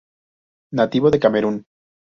Nativo de Camerún.